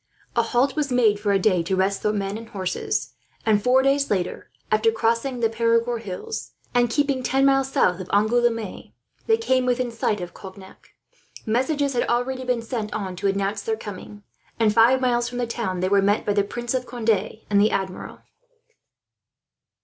A halt was made for a day, to rest the men and horses and, four days later, after crossing the Perigord hills, and keeping ten miles south of Angouleme, they came within sight of Cognac. Messages had already been sent on to announce their coming and, five miles from the town, they were met by the Prince of Conde and the Admiral.